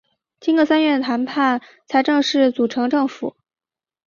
经过三个月谈判才正式组成政府。